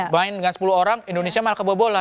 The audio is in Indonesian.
main dengan sepuluh orang indonesia malah kebobolan